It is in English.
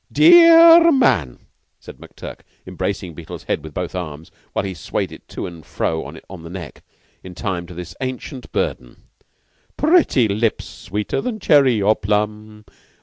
"Dear r man" said McTurk, embracing Beetle's head with both arms, while he swayed it to and fro on the neck, in time to this ancient burden "Pretty lips sweeter than cherry or plum.